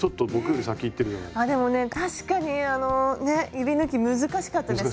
指ぬき難しかったです。